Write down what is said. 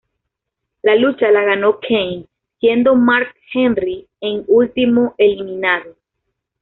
La lucha la ganó Kane siendo Mark Henry en último eliminado.